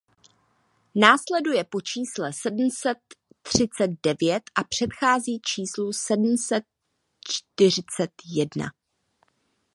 Následuje po čísle sedm set třicet devět a předchází číslu sedm set čtyřicet jedna.